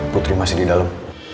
putri masih di dalam